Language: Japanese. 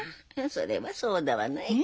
それはそうだわない。